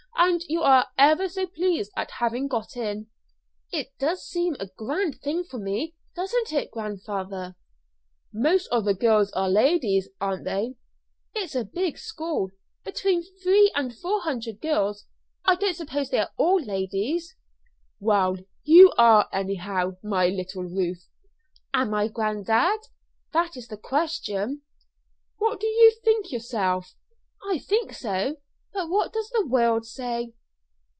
And you are ever so pleased at having got in?" "It does seem a grand thing for me, doesn't it, grandfather?" "Most of the girls are ladies, aren't they?" "It is a big school between three and four hundred girls. I don't suppose they are all ladies." "Well, you are, anyhow, my little Ruth." "Am I, granddad? That is the question." "What do you think yourself?" "I think so; but what does the world say?"